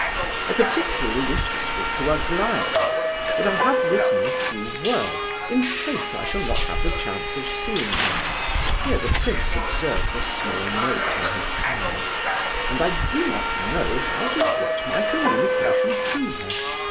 I particularly wish to speak to Aglaya, but I have written a few words in case I shall not have the chance of seeing her" (here the prince observed a small note in his hand), "and I do not know how to get my communication to her.